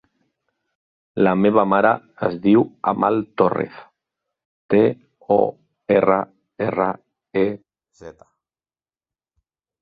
La meva mare es diu Amal Torrez: te, o, erra, erra, e, zeta.